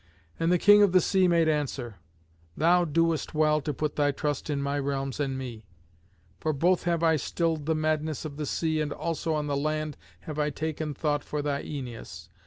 And the King of the sea made answer, "Thou doest well to put thy trust in my realms and me. For both have I stilled the madness of the sea and also on the land have I taken thought for thy Æneas.